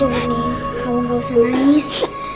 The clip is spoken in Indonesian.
udah berdua nih kamu gak usah nangis